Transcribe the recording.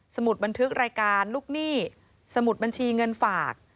มุดบันทึกรายการลูกหนี้สมุดบัญชีเงินฝาก